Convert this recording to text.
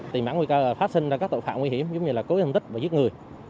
tìm bản nguy cơ là phát sinh ra các tội phạm nguy hiểm giống như là cố hiểm tích và giết người